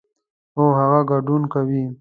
هو، هغه ګډون کوي